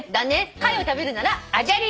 「貝を食べるなら」アジャリ！